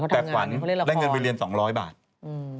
แต่ขวัญได้เงินไปเรียน๒๐๐บาทต่อวัน